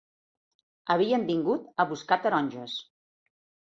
Havien vingut a buscar taronges